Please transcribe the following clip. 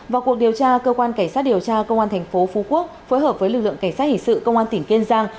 vào cuộc điều tra cơ quan cảnh sát điều tra công an thành phố phú quốc phối hợp với lực lượng cảnh sát hình sự công an tỉnh kiên giang